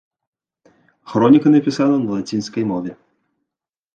Хроніка напісана на лацінскай мове.